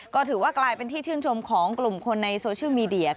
ก็ถือว่ากลายเป็นที่ชื่นชมของกลุ่มคนในโซเชียลมีเดีย